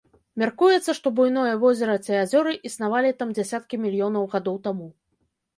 Мяркуецца, што буйное возера ці азёры існавалі там дзясяткі мільёнаў гадоў таму.